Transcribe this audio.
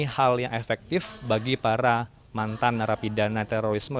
hal yang efektif bagi para mantan narapidana terorisme